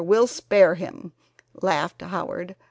We'll spare him " laughed Howard.